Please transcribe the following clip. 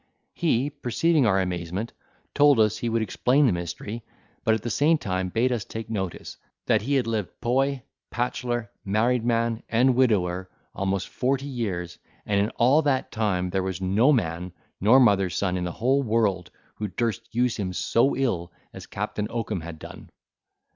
He, perceiving our amazement, told us he would explain the mystery; but at the same time bade us take notice, that he had lived poy, patchelor, married man, and widower, almost forty years, and in all that time there was no man, nor mother's son in the whole world who durst use him so ill as Captain Oakum had done.